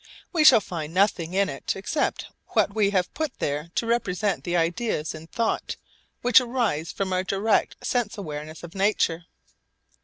We shall find nothing in it except what we have put there to represent the ideas in thought which arise from our direct sense awareness of nature.